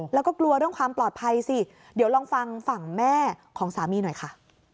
แล้วก็กลัวเรื่องความปลอดภัยสิเดี๋ยวลองฟังฝั่งแม่ของสามีหน่อยค่ะ